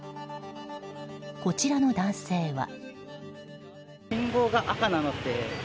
こちらの男性は。